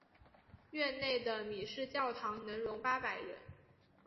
院内的米市教堂能容八百人。